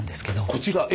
こちらえ？